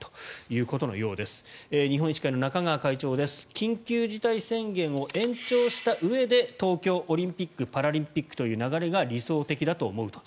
緊急事態宣言を延長したうえで東京オリンピック・パラリンピックという流れが理想的だと思うと。